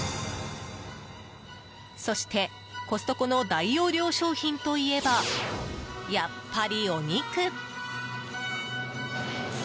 そしてコストコの大容量商品といえばやっぱりお肉。